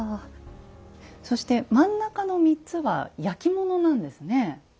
そして真ん中の３つは焼き物なんですね。